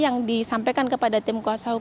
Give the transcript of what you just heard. yang disampaikan kepada tim kuasa hukum